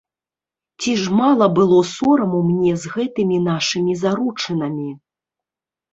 Ці ж мала было сораму мне з гэтымі нашымі заручынамі?